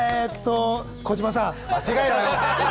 児嶋さん？